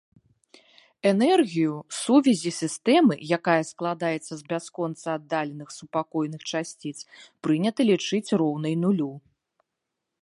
Энергію сувязі сістэмы, якая складаецца з бясконца аддаленых супакойных часціц, прынята лічыць роўнай нулю.